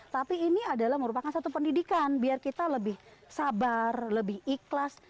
tapi ini adalah merupakan satu pendidikan biar kita lebih sabar lebih ikhlas